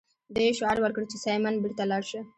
دوی شعار ورکړ چې سایمن بیرته لاړ شه.